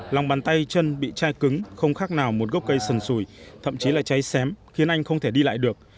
lòng bàn tay chân bị chai cứng không khác nào một gốc cây sần sùi thậm chí là cháy xém khiến anh không thể đi lại được